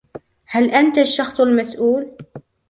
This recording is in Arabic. هل أنت الشخص المسؤول؟